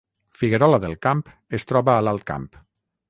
Figuerola del Camp es troba a l’Alt Camp